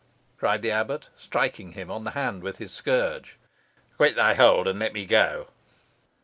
cried the abbot, striking him on the hand with his scourge. "Quit thy hold, and let me go."